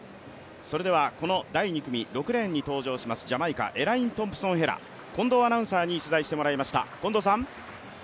それではこの第２組６レーンに登場します、ジャマイカエライン・トンプソン・ヘラ近藤アナウンサーに取材してもらいました。